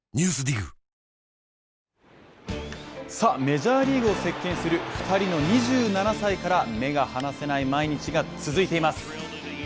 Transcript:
メジャーリーグを席巻する２人の２７歳から目が離せない毎日が続いています。